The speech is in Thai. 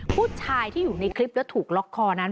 ผู้ชายที่อยู่ในคลิปแล้วถูกล็อกคอนั้น